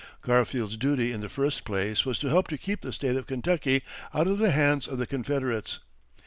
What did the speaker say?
Garfield's duty in the first place was to help to keep the State of Kentucky out of the hands of the Confederates.